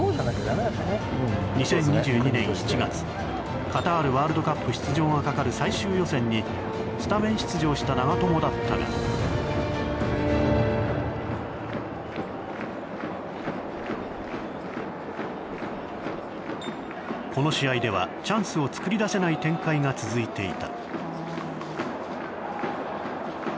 ２０２２年１月カタールワールドカップがかかる最終予選にスタメン出場した長友だったがこの試合ではチャンスを作り出せない展開が続いていた。